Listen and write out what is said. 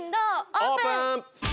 オープン！